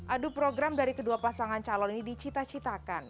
adu program dari kedua pasangan calon ini dicita citakan